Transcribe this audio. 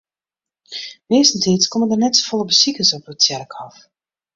Meastentiids komme der net folle besikers op it tsjerkhôf.